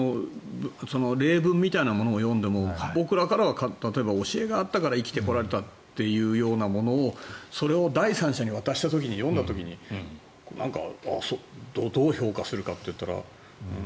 例文みたいなものを読んでも僕らからは教えがあったから生きてこられたっていうものを第３者に渡した時に読んだ時にどう評価すると言ったら。